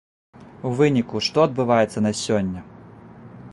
У выніку што адбываецца на сёння?